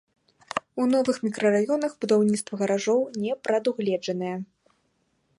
У новых мікрараёнах будаўніцтва гаражоў не прадугледжанае.